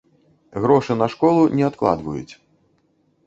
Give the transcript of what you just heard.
Грошы на школу не адкладваюць.